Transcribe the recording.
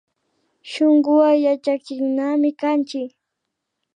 Shunkuwan yachachinami kanchik